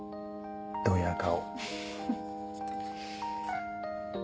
どや顔。